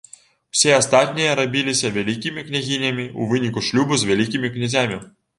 Усе астатнія рабіліся вялікімі княгінямі ў выніку шлюбу з вялікімі князямі.